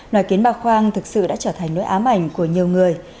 loài kiến bạc khoang thực sự đã trở thành nỗi ám ảnh của nhiều người